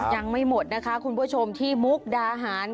ยังไม่หมดนะคะคุณผู้ชมที่มุกดาหาร